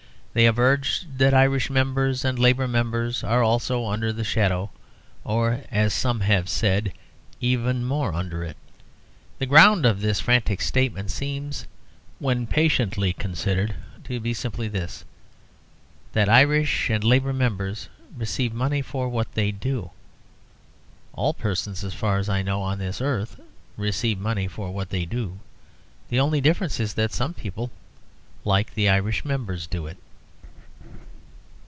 They have urged that Irish members and Labour members are also under the shadow, or, as some have said, even more under it. The ground of this frantic statement seems, when patiently considered, to be simply this: that Irish and Labour members receive money for what they do. All persons, as far as I know, on this earth receive money for what they do; the only difference is that some people, like the Irish members, do it.